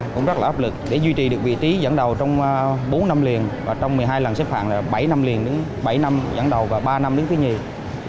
cũng rất là áp lực để duy trì được vị trí dẫn đầu trong bốn năm liền và trong một mươi hai lần xếp hạng là bảy năm liền đến bảy năm dẫn đầu và ba năm đứng thứ nhiều